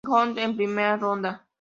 John's en primera ronda.